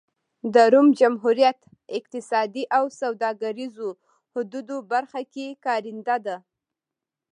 د روم جمهوریت اقتصادي او سوداګریزو حدودو برخه کې کارنده ده.